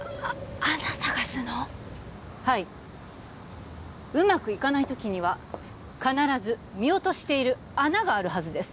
はいうまくいかないときには必ず見落としている穴があるはずです